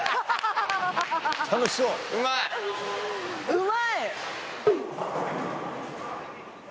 うまい！